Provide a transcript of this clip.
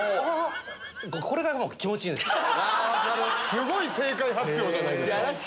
すごい正解発表じゃないですか。